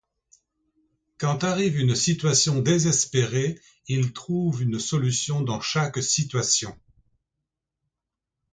Quand arrive une situation désespérée, il trouve une solution dans chaque situation.